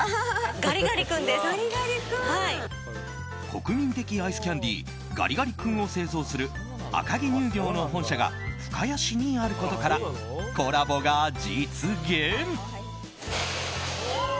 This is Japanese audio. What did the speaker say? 国民的アイスキャンディーガリガリ君を製造する赤城乳業の本社が深谷市にあることからコラボが実現。